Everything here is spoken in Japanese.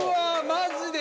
マジで？